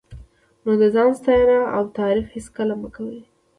نو د ځان ستاینه او تعریف هېڅکله مه کوه.